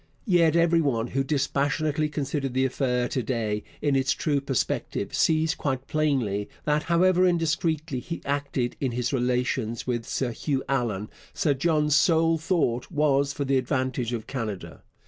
Yet every one who dispassionately considers the affair to day in its true perspective sees quite plainly that, however indiscreetly he acted in his relations with Sir Hugh Allan, Sir John's sole thought was for the advantage of Canada.